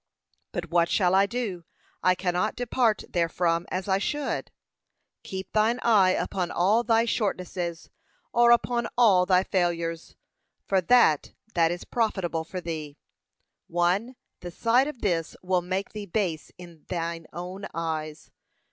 But what shall I do, I cannot depart therefrom as I should? Keep thine eye upon all thy shortnesses, or upon all thy failures, for that that is profitable for thee. 1. The sight of this will make thee base in thine own eyes.